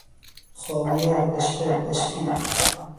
خاویار، اشپل، اشپیل